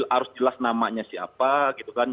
harus jelas namanya siapa gitu kan